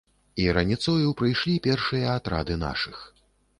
І раніцою прыйшлі першыя атрады нашых.